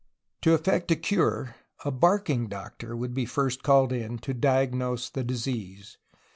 To effect a cure, a ^'barking doc tor" would first be called in, to diagnose the disease.